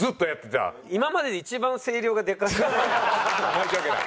申し訳ない。